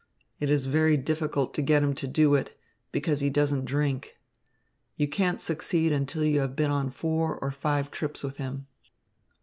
It is very difficult to get him to do it, because he doesn't drink. You can't succeed until you have been on four or five trips with him.